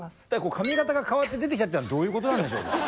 髪形が変わって出てきたってのはどういうことなんでしょうか？